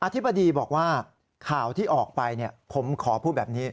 ธิบดีบอกว่าข่าวที่ออกไปผมขอพูดแบบนี้